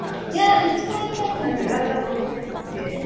深思熟慮諗清楚